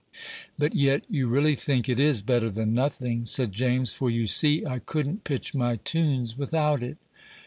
"But yet you really think it is better than nothing," said James, "for you see I couldn't pitch my tunes without it."